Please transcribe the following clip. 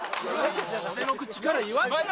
俺の口から言わすな！